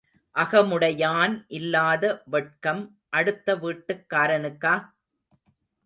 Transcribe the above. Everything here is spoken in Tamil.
அகமுடையான் இல்லாத வெட்கம் அடுத்த வீட்டுக்காரனுக்கா?